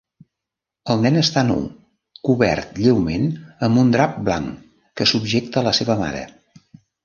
El nen està nu, cobert lleument amb un drap blanc que subjecta la seva mare.